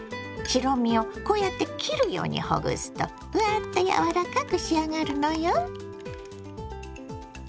白身をこうやって切るようにほぐすとふわっとやわらかく仕上がるのよ。